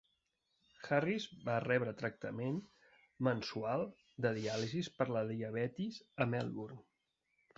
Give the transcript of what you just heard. Harris va rebre tractament mensual de diàlisi per a la diabetis a Melbourne.